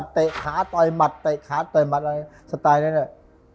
เราก็บางทีต่อลำตัว